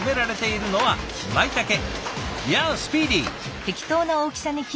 いやスピーディー！